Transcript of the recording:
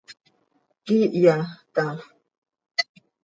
¿Quíihya tafp?